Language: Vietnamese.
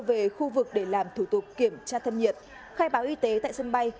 về khu vực để làm thủ tục kiểm tra thân nhiệt khai báo y tế tại sân bay